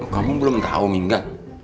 kamu belum tau minggat